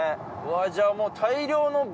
じゃあもう。